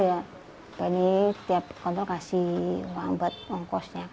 bupani setiap kontrol memberikan uang untuk mengkosnya